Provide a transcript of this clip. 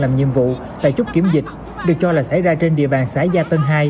làm nhiệm vụ tại chốt kiểm dịch được cho là xảy ra trên địa bàn xã gia tân hai